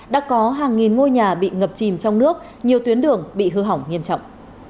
đã có hàng nghìn ngôi nhà bị ngập chìm trong nước nhiều tuyến đường bị hư hỏng nghiêm trọng